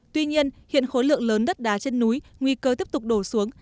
tuy nhiên hiện khối lượng lớn đất đá trên núi nguy cơ tiếp tục đổ xuống